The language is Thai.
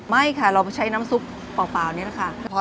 ไม่ค่ะเราใช้น้ำซุปเปล่านี่แหละค่ะ